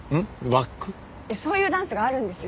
そういうダンスがあるんですよ。